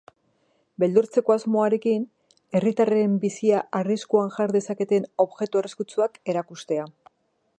Beldurtzeko asmoarekin, herritarren bizia arriskuan jar dezaketen objektu arriskutsuak erakustea.